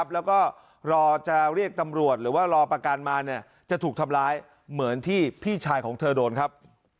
แล้วก็รอจะเรียกตำรวจหรือว่ารอประกันมาจะถูกทำร้ายเหมือนที่พี่ชายของเธอโดนครับ